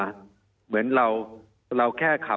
มีความรู้สึกว่ามีความรู้สึกว่า